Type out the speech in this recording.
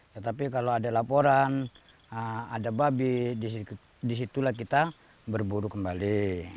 tetapi kalau ada laporan ada babi disitulah kita berburu kembali